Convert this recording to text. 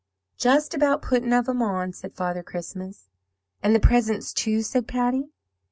"'Just about putting of 'em on,' said Father Christmas. "'And the presents, too?' said Patty.